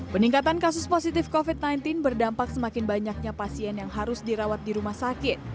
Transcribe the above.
peningkatan kasus positif covid sembilan belas berdampak semakin banyaknya pasien yang harus dirawat di rumah sakit